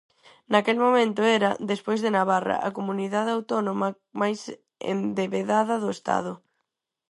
Naquel momento era, despois de Navarra, a comunidade autónoma máis endebedada do estado.